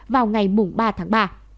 vào ngày mùng ba tháng ba